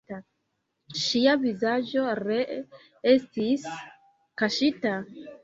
Ŝia vizaĝo ree estis kaŝita.